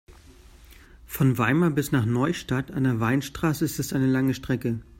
Von Weimar bis nach Neustadt an der Weinstraße ist es eine lange Strecke